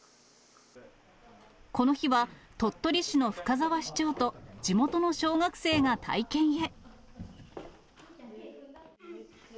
この日は鳥取市の深澤市長と、地元の小学生が体験へ。